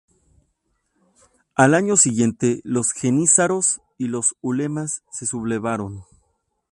Al año siguiente los jenízaros y los ulemas se sublevaron.